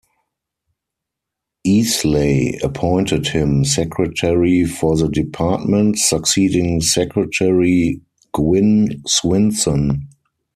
Easley appointed him Secretary for the Department, succeeding Secretary Gwynn Swinson.